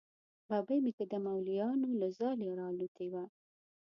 ببۍ مې که د مولیانو له ځالې را الوتې وه.